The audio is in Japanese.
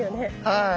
はい。